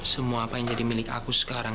semua apa yang jadi milik aku sekarang